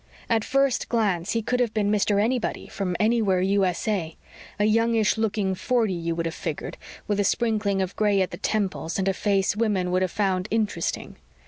At first glance he could have been Mr. Anybody, from Anywhere, U.S.A. A youngish looking forty, you would have figured, with a sprinkling of gray at the temples and a face women could have found interesting.